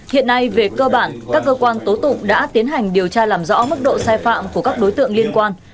hiện nay về cơ bản các cơ quan tố tụng đã tiến hành điều tra làm rõ mức độ sai phạm của các đối tượng liên quan